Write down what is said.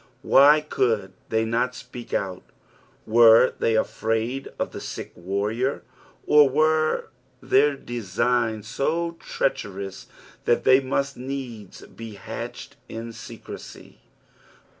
Why could the; not speak out i Were they afraid of the sick warrior f Or were their designs so treacherous that they must needs be hatched in secresy